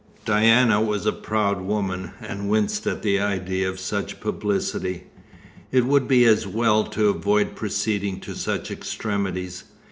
Diana was a proud woman, and winced at the idea of such publicity. It would be as well to avoid proceeding to such extremities.